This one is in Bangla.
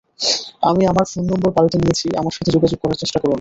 আমি আমার ফোন নম্বর পাল্টে নিয়েছি আমার সাথে যোগাযোগ করার চেষ্টা করো না।